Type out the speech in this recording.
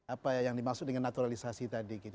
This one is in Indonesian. apa yang dimaksud dengan naturalisasi tadi gitu